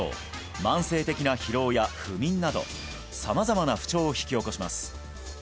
慢性的な疲労や不眠など様々な不調を引き起こします